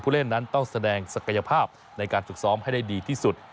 เล่นนั้นต้องแสดงศักยภาพในการฝึกซ้อมให้ได้ดีที่สุด